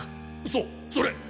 そうそれ！